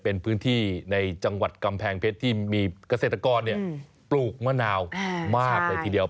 เป็นพื้นที่ในจังหวัดกำแพงเพชรที่มีเกษตรกรปลูกมะนาวมากเลยทีเดียว